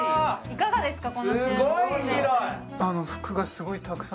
いかがですか？